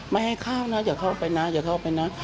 ไม่ให้เข้านะอย่าเข้าไปนะอย่าเข้าไปนะ